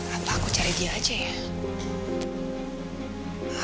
aku harus cari dia dan aku harus temuin dia